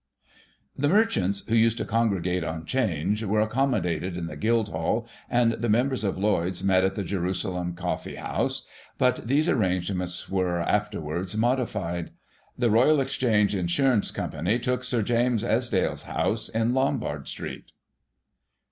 The merchants, who used to congregate "on 'Change/' were accommodated in the Guildhall, and the members of Lloyd's met at the Jerusalem Coflfee House — ^but these arrangements were, afterwards, modified. The Royal Ex change Insurance Coy. took Sir James Esdaile's house, in Lombard Street.